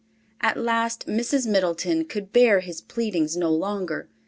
At last Mrs. Middleton could bear his pleadings no longer.